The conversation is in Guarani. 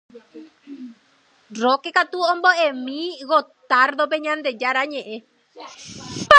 Roque katu omboʼémi Gottardope Ñandejára ñeʼẽ.